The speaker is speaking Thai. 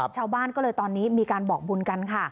ชาวบ้านก็เลยตอนนี้มีการบอกบุญกันค่ะ